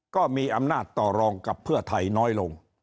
ก็มีอำนาจต่อรองกับเพื่อไทยน้อยลง